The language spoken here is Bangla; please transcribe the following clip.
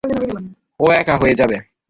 ও একা হয়ে যাবে।